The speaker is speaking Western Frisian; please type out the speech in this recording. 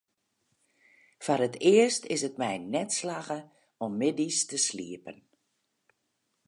Foar it earst is it my net slagge om middeis te sliepen.